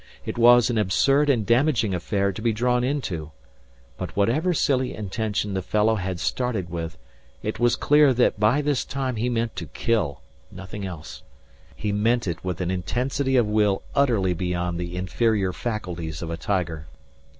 It was an absurd and damaging affair to be drawn into. But whatever silly intention the fellow had started with, it was clear that by this time he meant to kill nothing else. He meant it with an intensity of will utterly beyond the inferior faculties of a tiger.